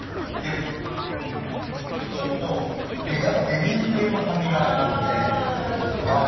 ちょっとベリー系の酸味がありますね。